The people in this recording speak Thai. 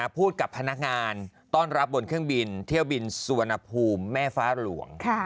พูดกับพนักงานต้อนรับบนเครื่องบินเที่ยวบินสุวรรณภูมิแม่ฟ้าหลวง